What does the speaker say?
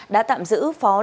đã tạm giữ phó lợi